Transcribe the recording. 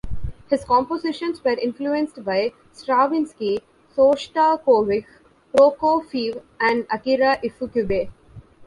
His compositions were influenced by Stravinsky, Shostakovich, Prokofiev and Akira Ifukube.